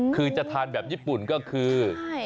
คือจะทานแบบญี่ปุ่นก็คือ